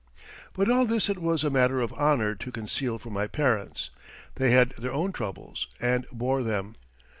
But all this it was a matter of honor to conceal from my parents. They had their own troubles and bore them.